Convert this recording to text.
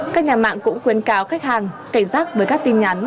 các nhà mạng cũng khuyến cáo khách hàng cảnh giác với các tin nhắn